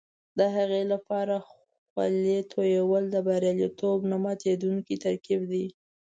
د هغې لپاره خولې تویول د بریالیتوب نه ماتېدونکی ترکیب دی.